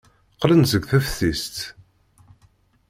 Qqlen-d seg teftist?